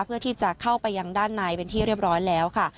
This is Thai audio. เพื่อที่จะเข้าไปยังด้านในเป็นที่เรียบร้อยแล้วค่ะ